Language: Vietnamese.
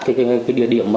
cái địa điểm